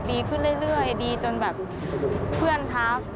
ดีขึ้นเรื่อยดีจนแบบเพื่อนทัก